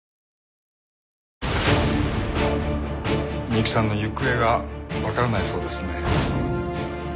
美雪さんの行方がわからないそうですね。